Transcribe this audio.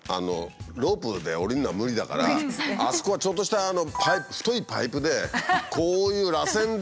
ロープで下りるのは無理だからあそこはちょっとした太いパイプでこういうらせんで。